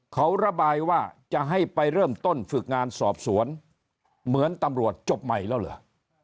เขาระบายว่าจะให้ไปเริ่มต้นฝึกงานสอบสวนเหมือนตำรวจจบใหม่แล้วเหรอ